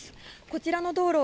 こちらの道路